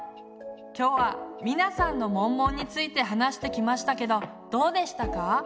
今日はミナさんのモンモンについて話してきましたけどどうでしたか？